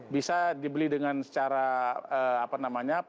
bisa dibeli dengan secara